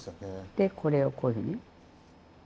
でこれをこういうふうに。